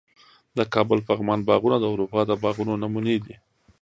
د کابل پغمان باغونه د اروپا د باغونو نمونې دي